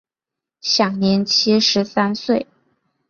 享年七十三岁。